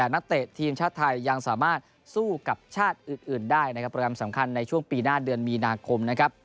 นักเตะทีมชาติไทยยังสามารถสู้กับชาติอื่นได้นะครับโปรแกรมสำคัญในช่วงปีหน้าเดือนมีนาคมนะครับ